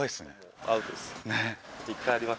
アウトです。